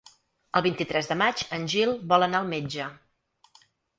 El vint-i-tres de maig en Gil vol anar al metge.